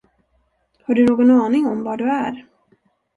Har du nån aning om var du är?